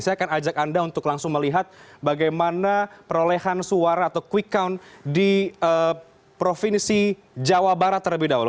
saya akan ajak anda untuk langsung melihat bagaimana perolehan suara atau quick count di provinsi jawa barat terlebih dahulu